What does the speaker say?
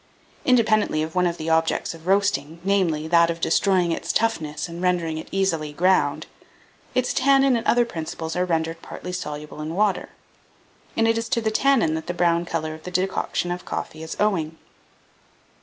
Independently of one of the objects of roasting, namely, that of destroying its toughness and rendering it easily ground, its tannin and other principles are rendered partly soluble in water; and it is to the tannin that the brown colour of the decoction of coffee is owing.